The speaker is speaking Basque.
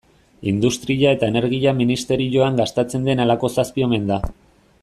Industria eta Energia ministerioan gastatzen den halako zazpi omen da.